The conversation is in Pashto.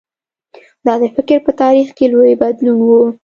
دا د فکر په تاریخ کې لوی بدلون و.